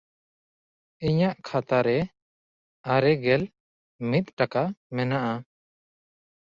ᱤᱧᱟᱜ ᱠᱷᱟᱛᱟ ᱨᱮ ᱟᱨᱮ ᱜᱮᱞ ᱢᱤᱫ ᱴᱟᱠᱟ ᱢᱮᱱᱟᱜᱼᱟ᱾